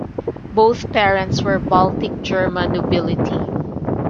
Both parents were Baltic German nobility.